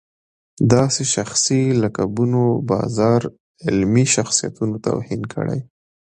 داسې شخصي لقبونو بازار علمي شخصیتونو توهین کړی.